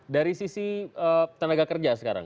dari sisi tenaga kerja sekarang